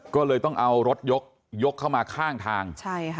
ก็เลยต้องเอารถยกยกเข้ามาข้างทาง